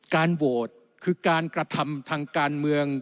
การโหวตคือการกระทำทางการเมือง